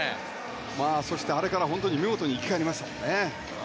そして、あれから見事に生き返りましたよね。